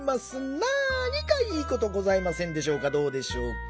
なにかいいことございませんでしょうかどうでしょうか。